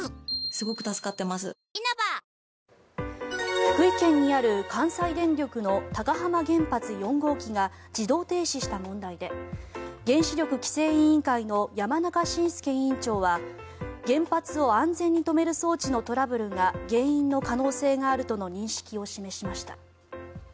福井県にある関西電力の高浜原発４号機が自動停止した問題で原子力規制委員会の山中伸介委員長は原発を安全に止める装置のトラブルが原因の可能性があるとの認識を示しました。